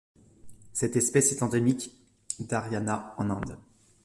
Cette espèce est endémique d'Haryana en Inde.